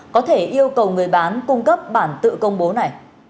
có thể yêu cầu người bán cung cấp bản tự công bố này